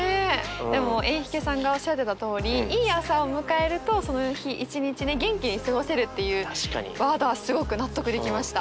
でもエンヒケさんがおっしゃってたとおりいい朝を迎えるとその日一日ね元気に過ごせるっていうワードはすごく納得できました。